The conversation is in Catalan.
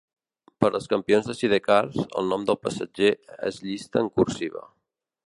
Per als campions en sidecars, el nom del passatger es llista en cursiva.